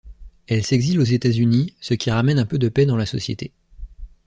Elle s'exile aux États-Unis, ce qui ramène un peu de paix dans la Société.